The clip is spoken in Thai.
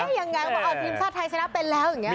เอ๊ะยังไงว่าอ้าวทีมชาติไทยชนะเป็นแล้วอย่างเงี้ยเหรอ